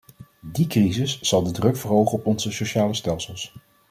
Die crisis zal de druk verhogen op onze sociale stelsels.